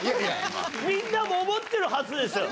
みんなも思ってるはずですよ。